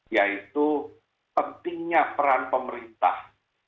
yaitu pentingnya peran pemerintah